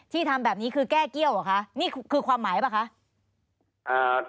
ทำแบบนี้คือแก้เกี้ยวเหรอคะนี่คือความหมายป่ะคะ